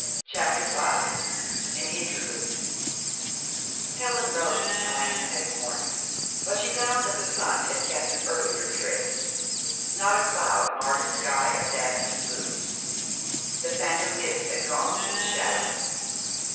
CHAPTER V AN INTERLUDE Helen rose betimes next morning; but she found that the sun had kept an earlier tryst. Not a cloud marred a sky of dazzling blue. The phantom mist had gone with the shadows.